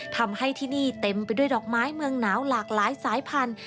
ทำให้ที่นี่เต็มไปด้วยดอกไม้เมืองหนาวหลากหลายสายพันธุ